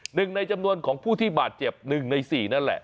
หนึ่งในจำนวนของผู้ที่บาดเจ็บ๑ใน๔นั่นแหละ